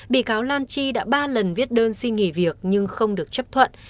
bị cáo lan chi đã ba lần viết đơn xin nghỉ việc nhưng không được chấp thuận